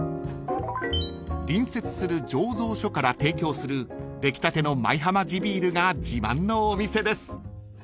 ［隣接する醸造所から提供する出来たての舞浜地ビールが自慢のお店です］